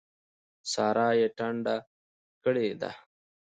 سارا يې ټنډه کړې ده.